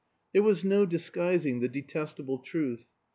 There was no disguising the detestable truth.